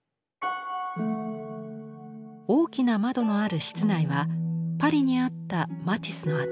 大きな窓のある室内はパリにあったマティスのアトリエです。